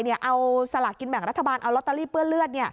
เอาสลากกินแบ่งรัฐบาลเอาลอตเตอรี่เปื้อนเลือด